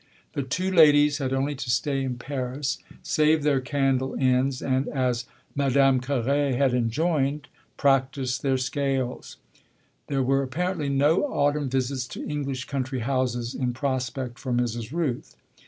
The two ladies had only to stay in Paris, save their candle ends and, as Madame Carré had enjoined, practise their scales: there were apparently no autumn visits to English country houses in prospect for Mrs. Rooth.